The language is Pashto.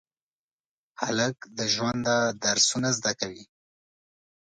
هلک د ژونده درسونه زده کوي.